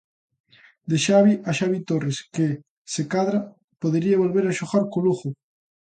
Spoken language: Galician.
De Xavi a Xavi Torres que, se cadra, podería volver a xogar co Lugo.